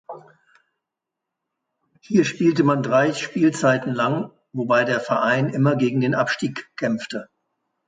Hier spielte man drei Spielzeiten lang, wobei der Verein immer gegen den Abstieg kämpfte.